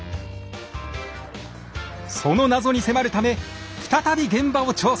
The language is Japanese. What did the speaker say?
その謎に迫るため再び現場を調査！